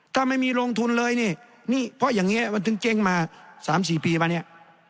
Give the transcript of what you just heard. ถ้าไม่มีลงทุนเลยนี่นี่เพราะอย่างนี้มันถึงเจ๊งมา๓๔ปีมาเนี่ย